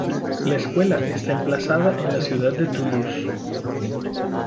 La escuela está emplazada en la ciudad de Toulouse.